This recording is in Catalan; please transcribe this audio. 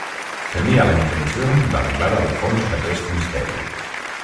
Tenia la intenció d'arribar al fons d'aquest misteri.